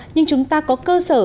nhưng chúng ta có cơ sở